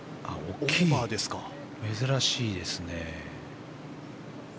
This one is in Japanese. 珍しいですね。